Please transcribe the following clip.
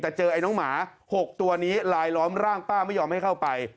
แต่เจอไอ้น้องหมา๖ตัวนี้ลายล้อมร่างป้าไม่ยอมให้เข้าไป